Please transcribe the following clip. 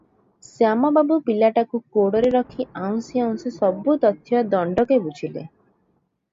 ଶ୍ୟାମବାବୁ ପିଲାଟାକୁ କୋଡ଼ରେ ରଖି ଆଉଁଶି ଆଉଁଶି ସବୁ ତଥ୍ୟ ଦଣ୍ଡକେ ବୁଝିଲେ ।